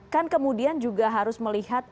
kan kemudian juga harus melihat